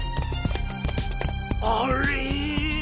あれ？